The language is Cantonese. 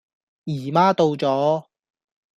姨媽到左